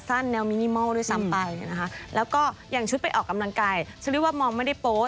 ฉันเรียกว่ามอมไม่ได้โปสต์